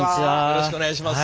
よろしくお願いします。